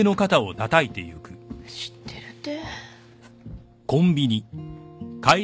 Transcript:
知ってるて。